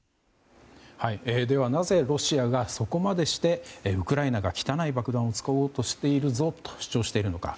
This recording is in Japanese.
ではなぜロシアがそこまでしてウクライナが汚い爆弾を使おうとしているぞと主張しているのか。